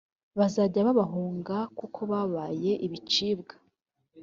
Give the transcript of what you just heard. bazajya babahunga, kuko babaye ibicibwa.